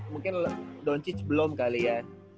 mungkin don cis belum kali ya